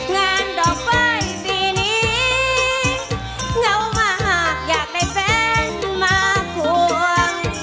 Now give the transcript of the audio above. ดอกไฟปีนี้เหงามากอยากได้แฟนมาควง